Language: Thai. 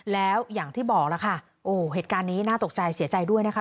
แล้วอย่างที่บอกแล้วค่ะโอ้เหตุการณ์นี้น่าตกใจเสียใจด้วยนะคะ